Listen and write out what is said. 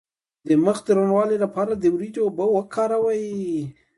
د مخ د روڼوالي لپاره د وریجو اوبه وکاروئ